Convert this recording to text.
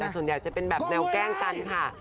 แต่ส่วนใหญ่จะเป็นแบบแนวแกล้งกันค่ะ